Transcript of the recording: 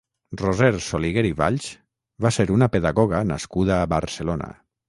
Roser Soliguer i Valls va ser una pedagoga nascuda a Barcelona.